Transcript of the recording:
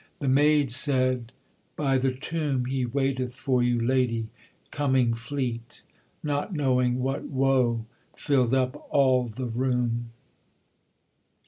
The maid said, 'By the tomb He waiteth for you, lady,' coming fleet, Not knowing what woe filled up all the room.